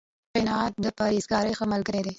قناعت، د پرهېزکارۍ ښه ملګری دی